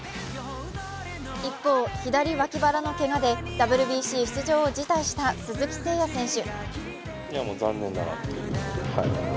一方、左脇腹のけがでＷＢＣ出場を辞退した鈴木誠也選手。